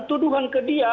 tuduhan ke dia